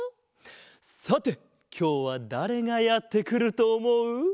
さてきょうはだれがやってくるとおもう？